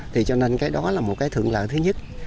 thì cho nên cái đó là một cái thượng lợi thứ nhất